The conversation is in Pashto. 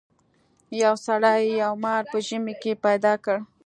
یو سړي یو مار په ژمي کې پیدا کړ.